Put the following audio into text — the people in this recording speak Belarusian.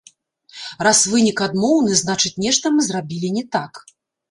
Раз вынік адмоўны, значыць, нешта мы зрабілі не так.